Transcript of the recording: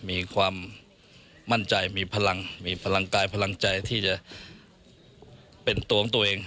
มีความมั่นใจมีพลังมีพลังกายพลังใจที่จะเป็นตัวของตัวเอง